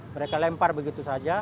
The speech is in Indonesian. mereka lempar begitu saja